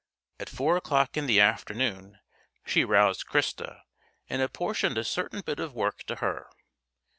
At four o'clock in the afternoon she roused Christa and apportioned a certain bit of work to her.